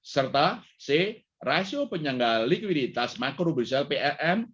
serta c rasio penyanggal likuiditas makro grusel plm